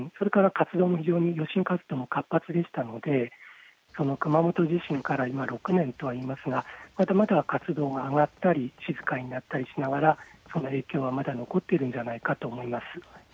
活動も非常に余震も活発でしたので、その熊本地震から今、６年とは言いますが、まだまだ活動が上がったり、静かになったりしながらその影響はまだ残っているんじゃないかなと思います。